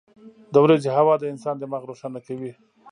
• د ورځې هوا د انسان دماغ روښانه کوي.